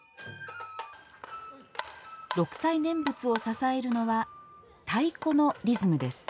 六斎念仏を支えるのは太鼓のリズムです。